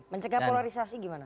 mencegah polarisasi gimana